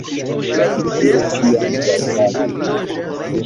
La viciro ĉiam daŭradis.